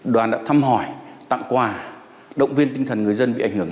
đoàn đã thăm hỏi tặng quà động viên tinh thần người dân bị ảnh hưởng